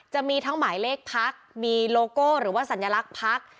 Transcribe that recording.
จะมีทั้งหมายเลขพักมีโลโก้หรือว่าสัญลักษณ์พัก